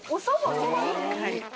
はい。